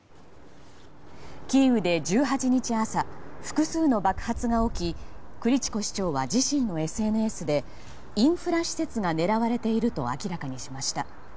キーウで１８日朝複数の爆発が起きクリチコ市長は自身のＳＮＳでインフラ施設が狙われていると明らかにしました。